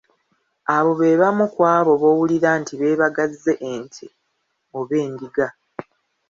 Abo beebamu ku abo boowulira nti beebagazze ente oba endiga!